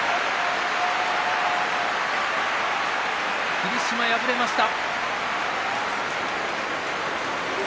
霧島、敗れました。